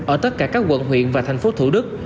ở tất cả các quận huyện và thành phố thủ đức